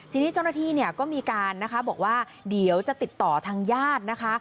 ทีนี้เจ้าหน้าที่เนี่ยก็มีการนะคะบอกว่าเดี๋ยวจะติดต่อทางญาตินะคะ